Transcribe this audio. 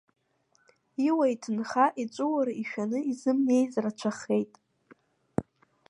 Иуа-иҭынха иҵәуара ишәаны изымнеиз рацәахеит.